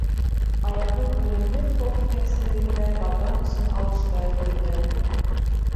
Аяғын үлемһеҙ Хок етәкселегендә ватан өсөн алышта өҙҙөргән.